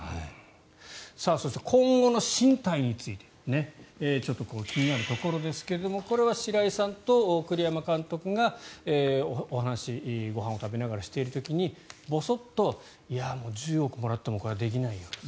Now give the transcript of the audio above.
そして今後の進退についてちょっと気になるところですがこれは白井さんと栗山監督がお話、ご飯を食べながらしている時にぼそっといやあ、１０億もらってもこれはできないよ